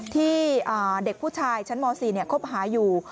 ที่เด็กผู้ชายชั้นม๔คบหาอยู่